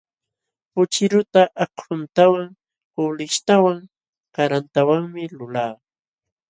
Puchiruta akhuntawan, kuulishtawan, karantawanmi lulaa.